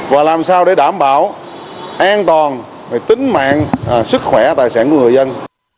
và làm sao để đảm bảo an toàn tính mạng sức khỏe tài sản của người dân